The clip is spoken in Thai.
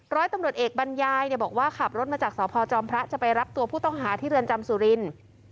ร้อยตำรวจเอกบรรยายบอกว่าขับรถมาจากสพจอมพระจะไปรับตัวผู้ต้องหาที่เรือนจำสุรินทร์